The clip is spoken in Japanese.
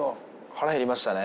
腹減りましたね。